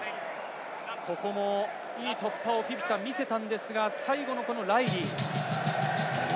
ここもいい突破をフィフィタみせたんですが、最後のライリー。